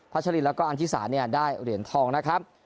พัชรินแล้วก็อันทิสาได้เหรียญทองนะครับ